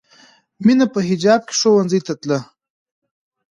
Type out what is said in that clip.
مینه په حجاب کې ښوونځي ته تله